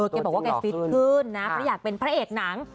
แกบอกว่าแกฟิตขึ้นนะเพราะอยากเป็นพระเอกหนัง